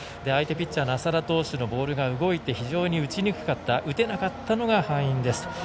相手ピッチャーの麻田投手のボールが動いて非常に打ちにくかった打てなかったのが敗因です。